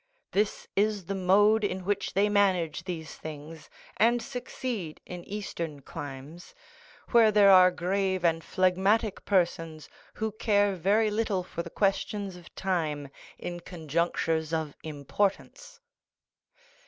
This is the mode in which they manage these things, and succeed in Eastern climes, where there are grave and phlegmatic persons who care very little for the questions of time in conjunctures of importance."